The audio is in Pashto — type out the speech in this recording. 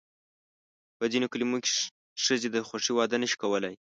په ځینو کلیو کې ښځې د خوښې واده نه شي کولی.